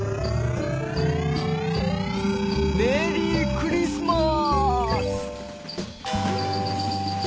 メリークリスマス！